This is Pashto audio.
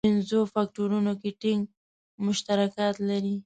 پنځو فکټورونو کې ټینګ مشترکات لري.